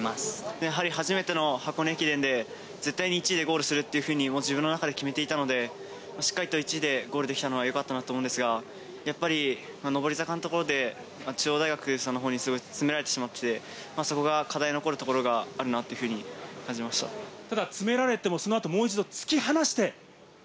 やはり初めての箱根駅伝で絶対１位でゴールするって自分の中で決めていたので、しっかりと１位でゴールできたのは、よかったなと思うんですが、上り坂のところで中央大学さんのほうに詰められてしまって、そこが課題が残るところがあるなというふうに感じました。